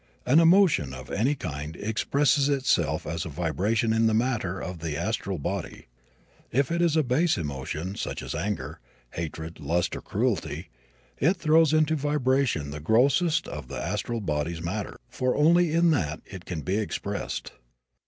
An emotion of any kind expresses itself as a vibration in the matter of the astral body. If it is a base emotion, such as anger, hatred, lust or cruelty, it throws into vibration the grossest of the astral body's matter, for only in that can it be expressed.